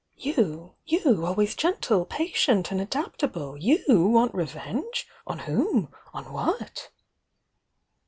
Youf You, always gentle, patient and adaptable! you want 'revenge'? On whom? On what?"